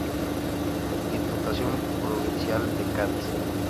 Diputación Provincial de Cádiz.